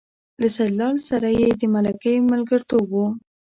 له سیدلال سره یې د ملکۍ ملګرتوب و.